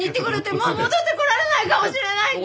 もう戻ってこられないかもしれないって！